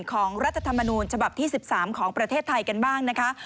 รัฐธรรมนูญฉบับที่๑๓ของประเทศไทยกันบ้างนะคะ